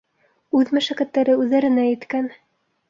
Үҙ мәшәҡәттәре үҙҙәренә еткән.